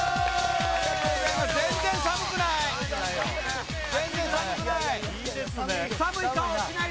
全然寒くない。